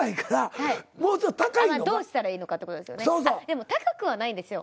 でも高くはないんですよ。